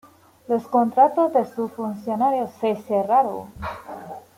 Los contratos de sus funcionarios se cerraron.